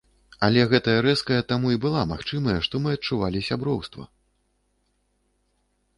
Але гэтая рэзкая таму і была магчымая, што мы адчувалі сяброўства.